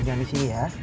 jangan di sini ya